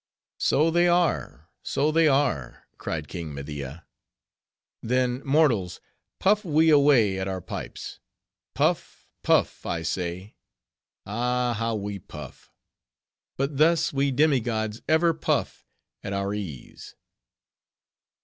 "So they are, so they are," cried King Media. "Then, mortals, puff we away at our pipes. Puff, puff, I say. Ah! how we puff! But thus we demi gods ever puff at our ease."